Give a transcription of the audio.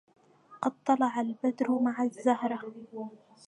قد طلع البدر مع الزهره